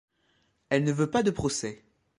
elle ne veut pas de procès.